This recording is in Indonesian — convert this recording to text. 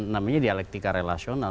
namanya dialektika relasional